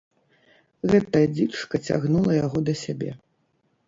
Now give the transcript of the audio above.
Гэтая дзічка цягнула яго да сябе.